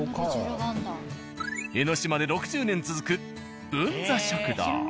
江ノ島で６０年続く「文佐食堂」。